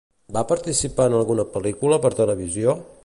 Va participar en alguna pel·licula per televisió?